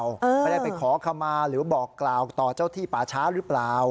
ไม่ได้ไปขอคำมาหรือบอกกล่าวต่อเจ้าที่ป่าช้าหรือเปล่า